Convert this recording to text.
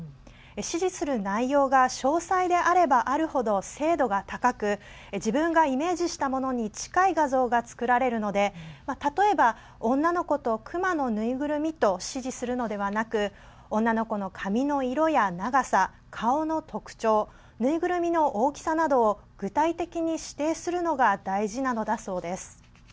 指示する内容が詳細であればある程精度が高く自分がイメージしたものに近い画像が作られるので例えば女の子と熊の縫いぐるみと指示するのではなく女の子の髪の色や長さ顔の特徴縫いぐるみの大きさなどを具体的に指定するのが大事なのだそうです。